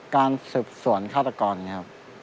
การสืบสวนฆาตกรอย่างนี้ครับ